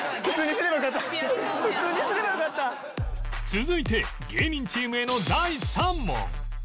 続いて芸人チームへの第３問